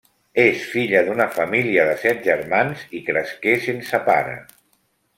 És filla d'una família de set germans i cresqué sense pare.